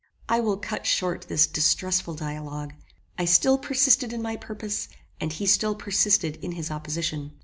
I will cut short this distressful dialogue. I still persisted in my purpose, and he still persisted in his opposition.